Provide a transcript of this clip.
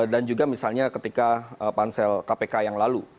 dan juga misalnya ketika pansel kpk yang lalu